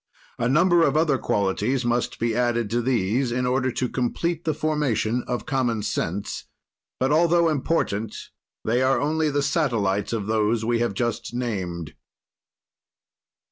"A number of other qualities must be added to these, in order to complete the formation of common sense; but, altho important, they are only the satellites of those we have just named.